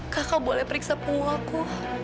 kakak boleh periksa pungaku